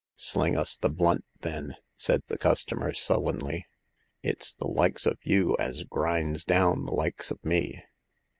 " Sling us the blunt, then I " said the customer, sullenly ; "it's the likes of you as grinds down the likes of me